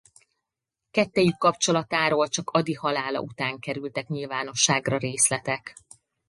Kettejük kapcsolatáról csak Ady halála után kerültek nyilvánosságra részletek.